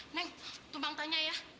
neng tumpang tanya ya